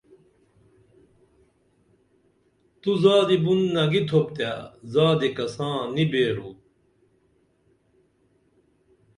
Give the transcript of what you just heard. تو زادی بُن نگی تھوپ تے زادی کساں نی بیرو